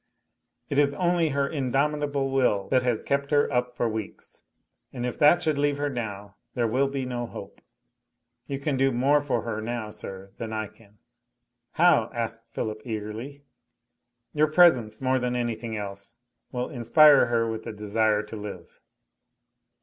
"It is only her indomitable will that has kept her up for weeks. And if that should leave her now, there will be no hope. You can do more for her now, sir, than I can?" "How?" asked Philip eagerly. "Your presence, more than anything else, will inspire her with the desire to live."